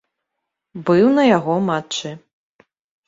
Быў на яго матчы.